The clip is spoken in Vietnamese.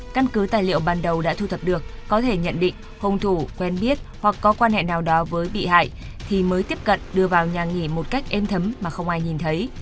căn cứ tài liệu ban đầu đã thu thập được có thể nhận định hung thủ quen biết hoặc có quan hệ nào đó với bị hại thì mới tiếp cận đưa vào nhà nghỉ một cách êm thấm mà không ai nhìn thấy